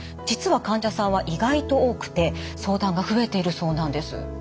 実は患者さんは意外と多くて相談が増えているそうなんです。